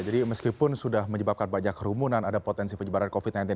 jadi meskipun sudah menyebabkan banyak kerumunan ada potensi penyebaran covid sembilan belas